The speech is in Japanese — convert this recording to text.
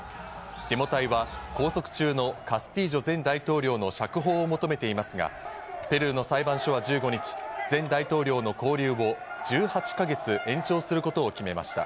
デモ隊は拘束中のカスティージョ前大統領の釈放を求めていますが、ペルーの裁判所は１５日、前大統領の勾留を１８か月延長することを決めました。